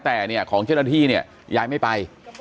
แต่เนี่ยของเจ้าหน้าที่เนี่ยยายไม่ไป